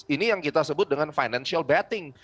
ini yang kita sebut dengan financial betting